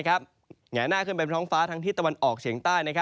แหงหน้าขึ้นไปบนท้องฟ้าทั้งที่ตะวันออกเฉียงใต้